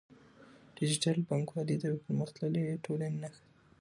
ډیجیټل بانکوالي د یوې پرمختللې ټولنې نښه ده.